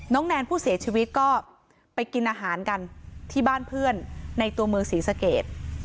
แนนผู้เสียชีวิตก็ไปกินอาหารกันที่บ้านเพื่อนในตัวเมืองศรีสเกต